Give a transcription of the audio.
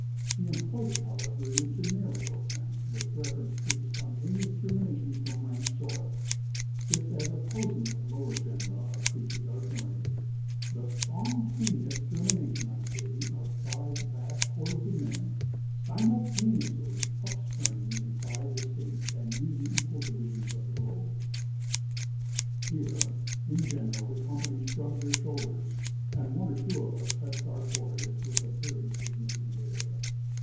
He employed it, however, in a generical sense, with reference to the spontaneous germination from rank soil (just as a thousand of the lower genera of creatures are germinated)—the spontaneous germination, I say, of five vast hordes of men, simultaneously upspringing in five distinct and nearly equal divisions of the globe." Here, in general, the company shrugged their shoulders, and one or two of us touched our foreheads with a very significant air.